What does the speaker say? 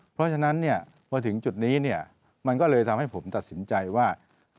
เพราะฉะนั้นเนี่ยพอถึงจุดนี้เนี่ยมันก็เลยทำให้ผมตัดสินใจว่า